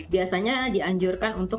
biasanya dianjurkan untuk